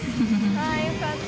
ああよかった。